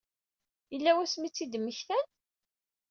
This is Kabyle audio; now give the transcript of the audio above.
Yella wasmi i tt-id-mmektan?